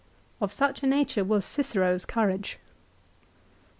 Of such a nature was Cicero's courage.